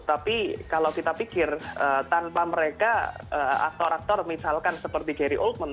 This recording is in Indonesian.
tapi kalau kita pikir tanpa mereka aktor aktor misalkan seperti carry oldman